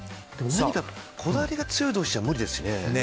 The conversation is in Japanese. こだわりが強い同士は無理ですよね。